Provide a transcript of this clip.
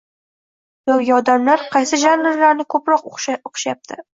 yoki odamlar qaysi janrlarni ko’proq o’qishayapti